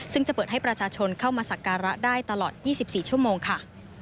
ซึ่งจะเปิดให้ประชาชนเข้ามาสักการะได้ตลอด๒๔ชั่วโมงค่ะ